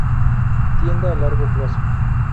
Tienda a largo plazo.